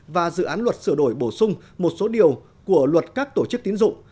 và dự án luật sửa đổi bổ sung một số điều của luật các tổ chức tiến dụng